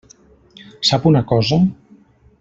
Sap una cosa?